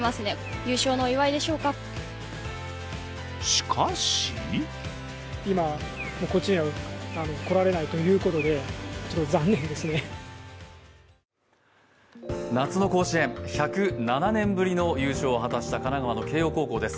しかし夏の甲子園、１０７年ぶりの優勝を果たした神奈川の慶応高校です。